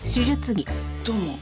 どうも。